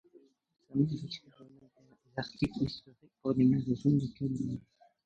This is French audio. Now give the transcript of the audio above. Sa mère écrit des articles historiques pour des magazines de Kaboul.